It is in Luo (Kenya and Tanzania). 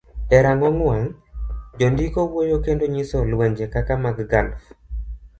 E rang'ong wang', jondiko wuoyo kendo nyiso lwenje kaka mag Gulf,